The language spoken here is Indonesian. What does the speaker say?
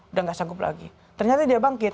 udah gak sanggup lagi ternyata dia bangkit